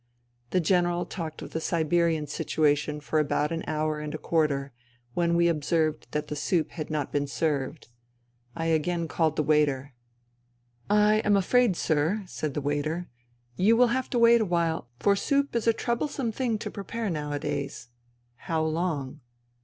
The General talked of the Siberian situation for about an hour and a quarter, when we observed that the soup had not been served. I again called the waiter. " What about that soup ?" I asked. " I am afraid, sir," said the waiter, " you will have to wait a while, for soup is a troublesome thing to prepare nowadays." " How long